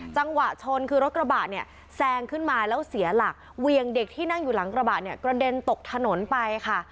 จังหวะชนคือรถกระบะเนี่ยแซงขึ้นมาแล้วเสียหลักเวียงเด็กที่นั่งอยู่หลังกระบะเนี่ยกระเด็นตกถนนไปค่ะ